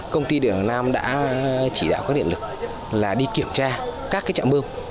công ty điện hàng nam đã chỉ đạo các điện lực là đi kiểm tra các cái trạm mương